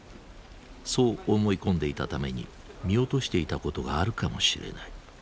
そう思い込んでいたために見落としていたことがあるかもしれない。